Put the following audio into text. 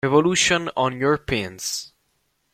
Revolution on your Pins!